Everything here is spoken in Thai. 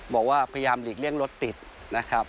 บอกว่าพยายามหลีกเลี่ยงรถติดนะครับ